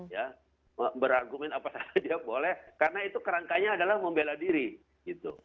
ya berargumen apa saja dia boleh karena itu kerangkanya adalah membela diri gitu